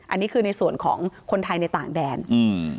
อันนี้คือในส่วนของคนไทยในต่างแดนอืม